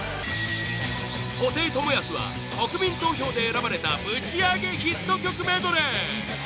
布袋寅泰は国民投票で選ばれたぶちアゲヒット曲メドレー！